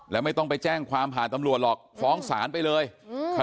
แล้วไม่ต้องไปแจ้งความผ่านตำรวจหรอกฟ้องศาลไปเลยอืม